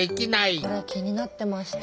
これ気になってました。